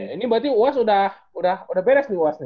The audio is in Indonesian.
ini berarti uas udah beres nih uas nih